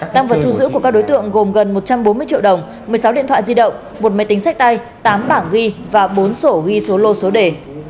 tăng vật thu giữ của các đối tượng gồm gần một trăm bốn mươi triệu đồng một mươi sáu điện thoại di động một máy tính sách tay tám bảng ghi và bốn sổ ghi số lô số đề